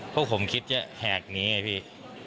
พวกผมคิดจะแหกหนีพี่